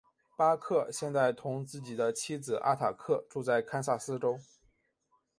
巴克现在同自己的妻子阿塔克住在堪萨斯州。